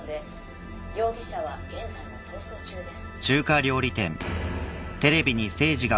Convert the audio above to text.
逃げろ！容疑者は現在も逃走中です。